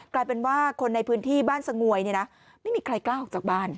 กลายเป็นว่าคนในพื้นที่บ้านสงวยเนี่ยนะไม่มีใครกล้าออกจากบ้าน